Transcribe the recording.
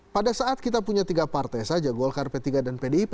pada saat kita punya tiga partai saja golkar p tiga dan pdip